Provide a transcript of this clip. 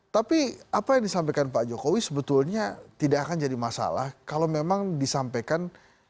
tapi apa yang disampaikan pak jokowi sebetulnya tidak akan jadi masalah kalau memang disampaikan